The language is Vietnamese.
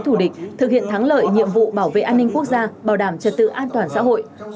thủ địch thực hiện thắng lợi nhiệm vụ bảo vệ an ninh quốc gia bảo đảm trật tự an toàn xã hội